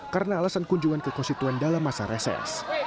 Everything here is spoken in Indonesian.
karena alasan kunjungan kekonsituan dalam masa reses